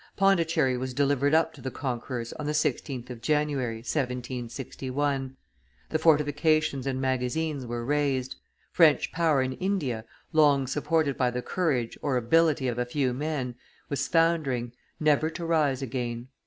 Pondicherry was delivered up to the conquerors on the 16th of January, 1761; the fortifications and magazines were razed; French power in India, long supported by the courage or ability of a few men, was foundering, never to rise again.